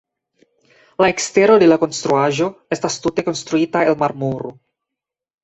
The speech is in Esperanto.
La ekstero de la konstruaĵo estas tute konstruita el marmoro.